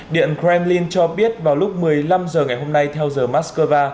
điện kremlin cho biết vào lúc một mươi năm h ngày hôm nay theo giờ moscow